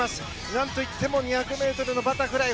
何といっても２００ｍのバタフライ。